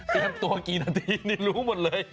เตรียมตัวกี่นาทีรู้หมดเลย